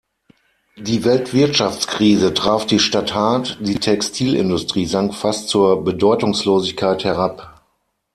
Die Weltwirtschaftskrise traf die Stadt hart, die Textilindustrie sank fast zur Bedeutungslosigkeit herab.